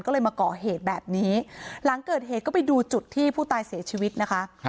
ก็เลยมาก่อเหตุแบบนี้หลังเกิดเหตุก็ไปดูจุดที่ผู้ตายเสียชีวิตนะคะ